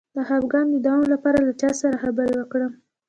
د خپګان د دوام لپاره له چا سره خبرې وکړم؟